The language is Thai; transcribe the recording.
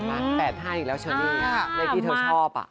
๘๕อีกแล้วเชอรี่เลขที่เธอชอบ